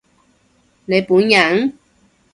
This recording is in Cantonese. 你本人？